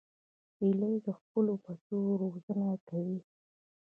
هیلۍ د خپلو بچو روزنه کوي